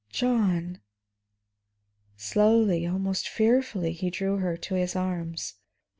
John " Slowly, almost fearfully, he drew her to his arms.